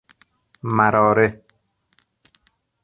مراره